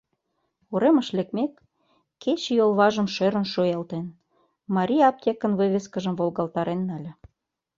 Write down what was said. Уремыш лекмек, кече йолважым шӧрын шуялтен, «Мариа» аптекын вывескыжым волгалтарен нале.